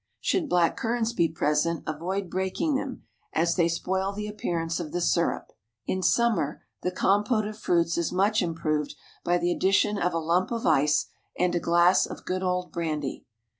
Should black currants be present, avoid breaking them, as they spoil the appearance of the syrup. In summer the compote of fruits is much improved by the addition of a lump of ice and a glass of good old brandy.